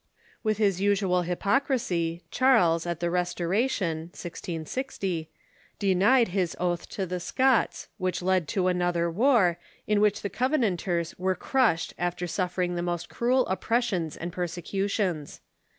With his usual hypocrisy, Charles, at the Restoration (1660), denied his oath to the Scots, which led to another war, in which the Covenanters were crushed after suffering the most cruel oppressions and persecutions.